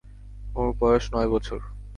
ওর বয়স নয় বছর।